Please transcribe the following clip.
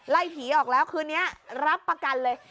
ไล่ผีออกแล้วคืนนี้รับประกันเลย